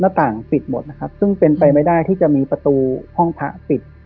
ต่างปิดหมดนะครับซึ่งเป็นไปไม่ได้ที่จะมีประตูห้องพระปิด